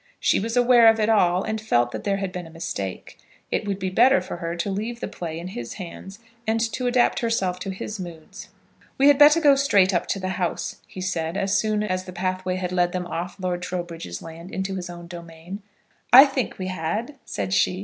She was aware of it all, and felt that there had been a mistake. It would be better for her to leave the play in his hands, and to adapt herself to his moods. "We had better go straight up to the house," he said, as soon as the pathway had led them off Lord Trowbridge's land into his own domain. "I think we had," said she.